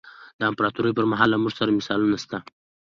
د امپراتورۍ پرمهال له موږ سره مثالونه شته.